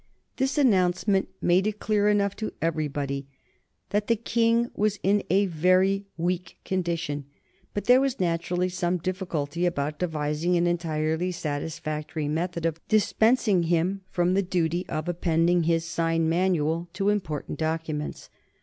This announcement made it clear enough to everybody that the King was in a very weak condition, but there was naturally some difficulty about devising an entirely satisfactory method of dispensing him from the duty of appending his sign manual to important documents.